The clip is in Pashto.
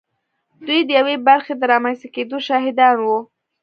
دوی د یوې برخې د رامنځته کېدو شاهدان وو